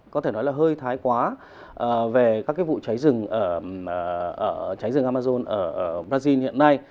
có thể nói là hơi thái quá về các vụ cháy rừng amazon ở brazil hiện nay